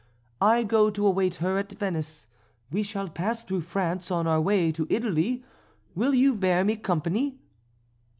I go to await her at Venice. We shall pass through France on our way to Italy. Will you bear me company?"